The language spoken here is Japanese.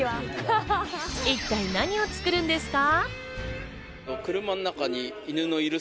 一体、何を作るんですか？